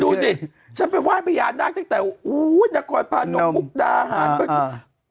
ดูสิฉันไปวาดพญานาคตั้งแต่โอ้นะกอนพาหนกอุ๊บดาอาหาร